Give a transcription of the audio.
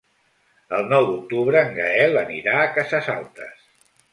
El nou d'octubre en Gaël anirà a Cases Altes.